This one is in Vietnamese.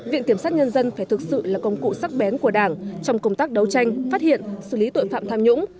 viện kiểm sát nhân dân phải thực sự là công cụ sắc bén của đảng trong công tác đấu tranh phát hiện xử lý tội phạm tham nhũng